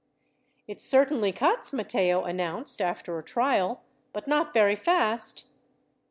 "It certainly cuts," Matteo announced after a trial, "but not very fast."